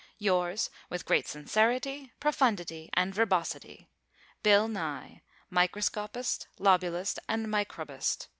Yours, with great sincerity, profundity and verbosity, Bill Nye, Microscopist, Lobulist and Microbist.